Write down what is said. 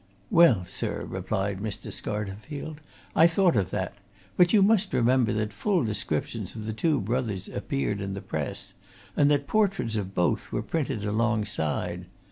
"Well, sir," replied Scarterfield, "I thought of that. But you must remember that full descriptions of the two brothers appeared in the press, and that portraits of both were printed alongside.